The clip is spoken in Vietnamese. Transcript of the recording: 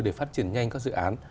để phát triển nhanh các dự án